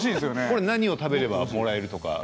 これ何を食べればもらえるとか。